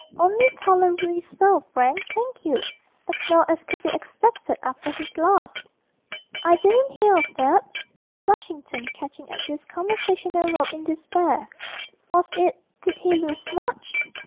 'Only tolerably so, Frank, thank you; as well as could be expected after his loss.' 'I didn't hear of that,' said Flushington, catching at this conversational rope in despair. 'Was it did he lose much?'